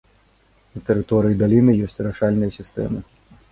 На тэрыторыі даліны ёсць арашальныя сістэмы.